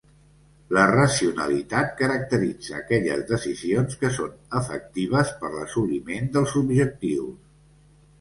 La racionalitat caracteritza aquelles decisions que són efectives per a l'assoliment dels objectius.